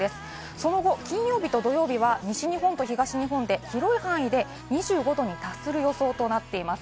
その後、金曜日と土曜日は西日本と東日本で広い範囲で２５度に達する予想となっています。